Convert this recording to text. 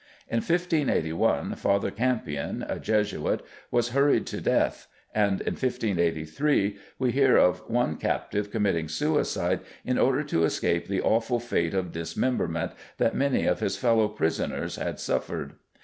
In 1581 Father Campion, a Jesuit, was hurried to death, and in 1583 we hear of one captive committing suicide in order to escape the awful fate of dismemberment that many of his fellow prisoners had suffered.